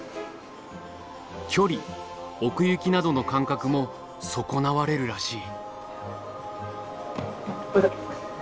距離奥行きなどの感覚も損なわれるらしい。